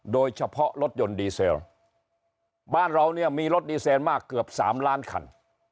โดยเฉพาะรถยนต์ดีเซลบ้านเราเนี่ยมีรถดีเซนมากเกือบสามล้านคัน